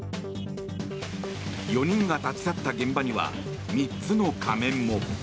４人が立ち去った現場には３つの仮面も。